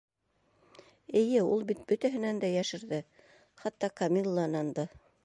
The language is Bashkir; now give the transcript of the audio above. Эйе, ул бит бөтәһенән дә йәшерҙе, хатта Камилланан да.